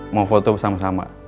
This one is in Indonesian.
mau foto bersama sama